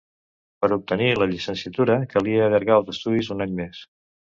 Per obtenir la llicenciatura calia allargar els estudis un any més.